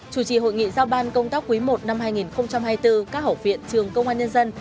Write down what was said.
chủ trì hội nghị giao ban công tác quý i năm hai nghìn hai mươi bốn các hậu viện trường công an nhân dân